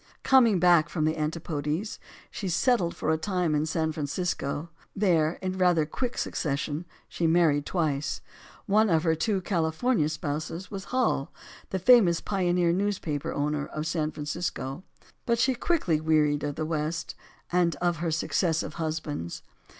Coming back from the Antipodes, she settled for a time in San Francisco. There, in rather quick suc cession, she married twice. One of her two California spouses was Hull, the famous pioneer newspaper owner, of San Francisco. But she quickly wearied of the West, and of her successive husbands.